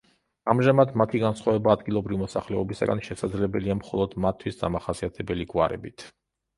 ამჟამად მათი განსხვავება ადგილობრივი მოსახლეობისაგან შესაძლებელი მხოლოდ მათთვის დამახასიათებელი გვარებით.